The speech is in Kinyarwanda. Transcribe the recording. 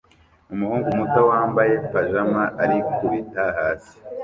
Umuhungu muto wambaye pajama arikubita hasi